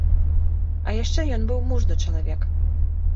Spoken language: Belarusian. А яшчэ ён быў мужны чалавек.